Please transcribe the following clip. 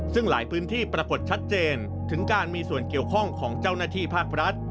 ซึ่งหลายพื้นที่ปรากฏชัดเจนถึงการมีส่วนเกี่ยวข้องของเจ้าหน้าที่ภาครัฐ